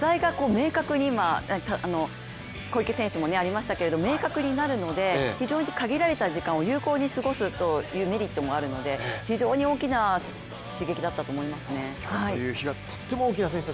また、小池選手もありましたけど課題が明確になるので、非常に限られた時間を有効に過ごすメリットもあるので非常に大きな刺激だったと思いますね。